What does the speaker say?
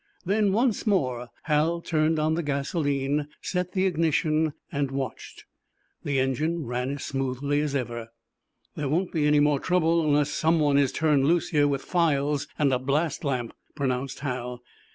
Then, once more, Hal turned on the gasoline, set the ignition, and watched. The engine ran as smoothly as ever. "There won't be any more trouble, unless someone is turned loose here with files and a blast lamp," pronounced Hal.